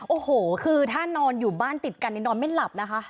โอ้โหคือถ้านอนอยู่บ้านติดกันนี่นอนไม่หลับนะคะ